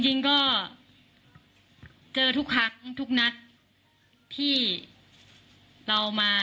จริงก็เจอทุกครั้งทุกนัดที่เรามา